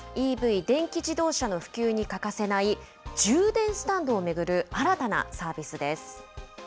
ＥＶ・電気自動車の普及に欠かせない、充電スタンドを巡る新たなサービスです。